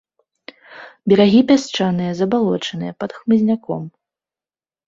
Берагі пясчаныя, забалочаныя, пад хмызняком.